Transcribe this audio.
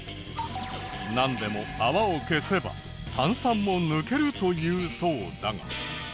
なんでも泡を消せば炭酸も抜けるというそうだが。